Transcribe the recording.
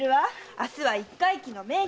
明日は一回忌の命日だから。